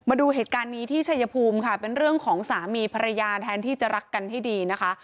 มาดูเหตุการณ์นี้ที่ชัยภูมิค่ะเป็นเรื่องของสามีภรรยาแทนที่จะรักกันให้ดีนะคะ